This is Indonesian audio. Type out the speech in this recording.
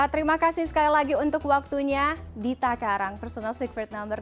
terima kasih sekali lagi untuk waktunya dita karang personal secret number